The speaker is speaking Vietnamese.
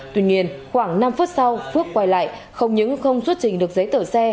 tuy nhiên khoảng năm phút sau phước quay lại không những không xuất trình được giấy tờ xe